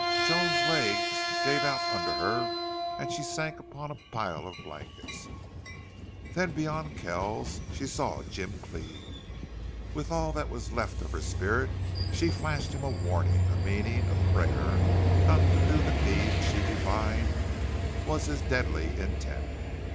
Joan's legs gave out under her and she sank upon a pile of blankets. Then beyond Kells she saw Jim Cleve. With all that was left of her spirit she flashed him a warning a meaning a prayer not to do the deed she divined was his deadly intent.